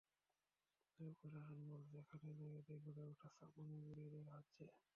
তবে প্রশাসন বলছে, খালের জায়গাতেই গড়ে ওঠা স্থাপনাই গুঁড়িয়ে দেওয়া হচ্ছে।